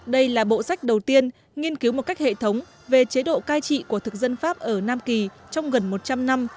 đây là bộ sách đầu tiên nghiên cứu một cách hệ thống về chế độ cai trị của thực dân pháp ở nam kỳ trong gần một trăm linh năm